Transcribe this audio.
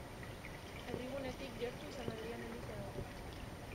Herrigunetik gertu San Adrian eliza dago.